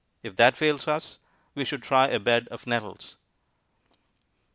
If that fails us, we should try a bed of nettles.